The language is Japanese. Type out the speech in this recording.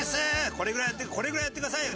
これぐらいこれぐらいやってくださいよ」。